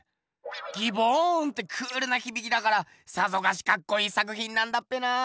ギボーンってクールなひびきだからさぞかしかっこいい作品なんだっぺな。